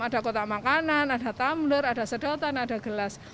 ada kotak makanan ada tumbler ada sedotan ada gelas